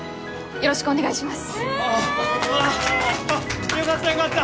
よろしくお願いします。